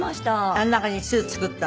あの中に巣作ったの？